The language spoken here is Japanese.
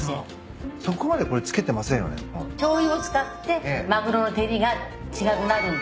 しょうゆを使ってマグロの照りが違くなるんです。